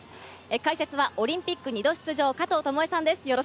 解説はオリンピック２度出場、加藤與惠さんです。